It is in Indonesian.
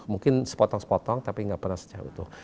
mungkin sepotong sepotong tapi nggak pernah secara utuh